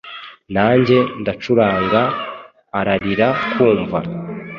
Nanjye ndacuranga, ararira kumva.